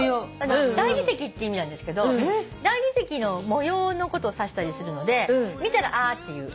大理石って意味なんですけど大理石の模様のことを指したりするので見たら「あ」って言う。